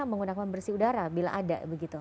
menggunakan bersih udara bila ada begitu